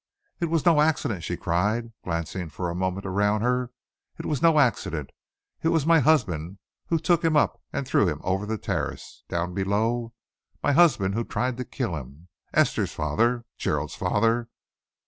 "It was no accident!" she cried, glancing for a moment around her. "It was no accident! It was my husband who took him up and threw him over the terrace, down below; my husband who tried to kill him; Esther's father Gerald's father!